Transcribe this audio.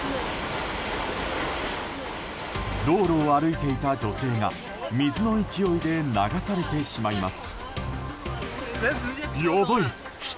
道路を歩いていた女性が水の勢いで流されてしまいます。